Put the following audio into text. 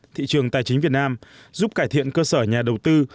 thị trường tài chính việt nam giúp cải thiện cơ sở nhà đầu tư